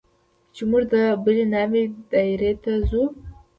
چې موږ د بلې ناوې دايرې ته ځو.